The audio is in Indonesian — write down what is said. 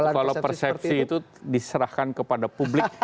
kalau persepsi itu diserahkan kepada publik